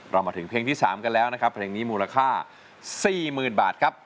มาถึงเพลงที่๓กันแล้วนะครับเพลงนี้มูลค่า๔๐๐๐บาทครับ